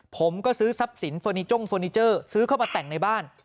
ผมก็ซื้อทรัพย์สินเฟอร์นิจ้งเฟอร์นิเจอร์ซื้อเข้ามาแต่งในบ้าน